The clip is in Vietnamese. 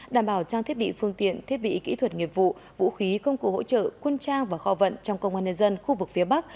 đảm bảo trang thiết bị phương tiện thiết bị kỹ thuật nghiệp vụ vũ khí công cụ hỗ trợ quân trang và kho vận trong công an nhân dân khu vực phía bắc